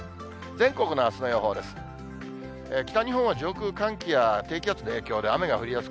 全国のあすの予報です。